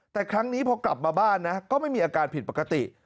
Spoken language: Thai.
แต่ครั้งนี้พอกลับมาบ้านนะก็ไม่มีอาการผิดปกติ